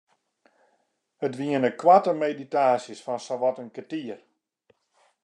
It wiene koarte meditaasjes fan sawat in kertier.